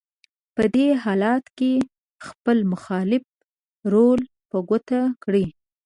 په دې حالت کې خپل مخالف رول په ګوته کړو: